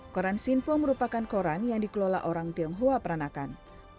koran simpo merupakan koran yang dikelola orang tionghoa peranakan